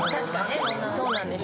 そうなんです。